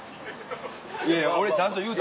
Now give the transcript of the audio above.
いやいや俺ちゃんと言うた。